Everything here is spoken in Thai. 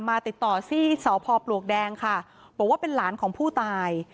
มาติดต่อที่สพปลวกแดงค่ะบอกว่าเป็นหลานของผู้ตาย